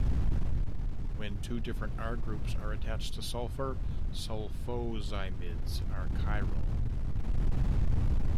When two different R groups are attached to sulfur, sulfoximides are chiral.